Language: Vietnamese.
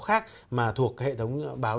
khác mà thuộc hệ thống báo